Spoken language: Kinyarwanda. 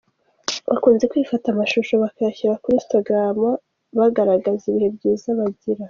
Bakunze kwifata amashusho bakayashyira kuri instagram bagaragaza ibihe byiza bagirana.